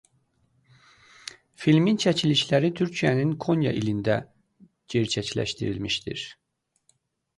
Filmin çəkilişləri Türkiyənin Konya ilində gerçəkləşmişdir.